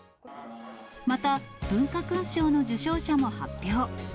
また、文化勲章の受章者も発表。